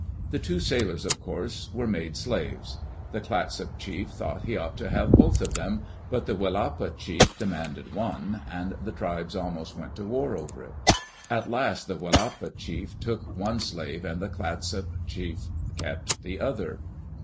The two sailors, of course, were made slaves. The Clatsop chief thought he ought to have both of them, but the Willapa chief demanded one, and die tribes almost went to war over it. At last the Willapa chief took one slave, and the Clatsop chief kept the other.